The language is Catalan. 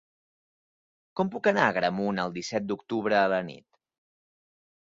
Com puc anar a Agramunt el disset d'octubre a la nit?